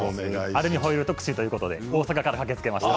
アルミホイル特集ということで大阪から駆けつけました。